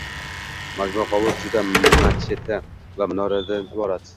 Majmua hovuz, juma machiti va minoratdan iborat